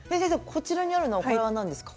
こちらにあるのはこれは何ですか？